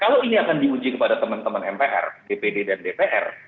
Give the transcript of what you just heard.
kalau ini akan diuji kepada teman teman mpr dpd dan dpr